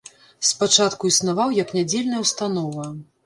Спачатку існаваў як нядзельная ўстанова.